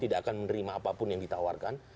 tidak akan menerima apapun yang ditawarkan